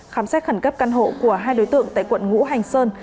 khám xét khẩn cấp căn hộ của hai đối tượng tại quận ngũ hành sơn